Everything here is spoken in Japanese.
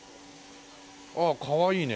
ああかわいいね。